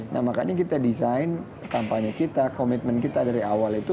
jadi kita desain kampanye kita komitmen kita dari awal itu